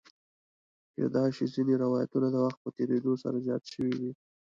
کېدای شي ځینې روایتونه د وخت په تېرېدو سره زیات شوي وي.